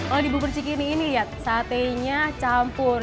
kalau di bubur cikini ini lihat sate nya campur